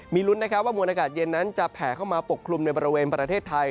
มีลุ้นนะครับว่ามวลอากาศเย็นนั้นจะแผ่เข้ามาปกคลุมในบริเวณประเทศไทย